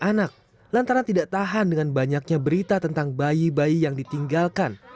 anak lantaran tidak tahan dengan banyaknya berita tentang bayi bayi yang ditinggalkan